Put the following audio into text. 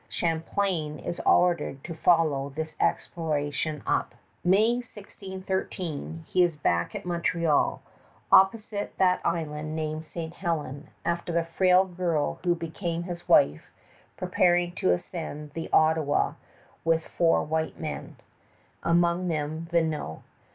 Champlain is ordered to follow this exploration up. May, 1613, he is back at Montreal, opposite that island named St. Helen, after the frail girl who became his wife, preparing to ascend the Ottawa with four white men among them Vignau.